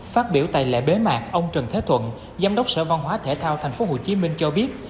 phát biểu tại lễ bế mạc ông trần thế thuận giám đốc sở văn hóa thể thao tp hcm cho biết